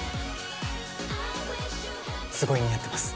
すごい似合ってます